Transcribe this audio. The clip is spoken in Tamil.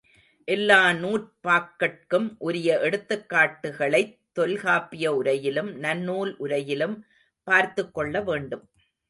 எல்லா நூற்பாக்கட்கும் உரிய எடுத்துக்காட்டுகளைத் தொல்காப்பிய உரையிலும், நன்னூல் உரையிலும் பார்த்துக்கொள்ள வேண்டும்.